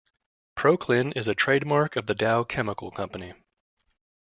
ProClin is a trademark of The Dow Chemical Company.